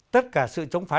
tất cả sự chống phá